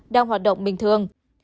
đang hoạt động bình thường